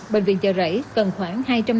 bệnh viện chợ rẫy cần khoảng